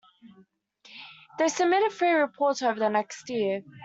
They submitted three reports over the next year.